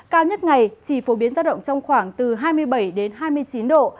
cao nhất ngày chỉ phổ biến ra động trong khoảng từ hai mươi bảy đến hai mươi chín độ